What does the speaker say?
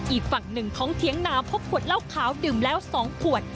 อีกฝั่งหนึ่งของเถียงน้ำพบขวดเหล้าขาวดื่มแล้ว๒ขวด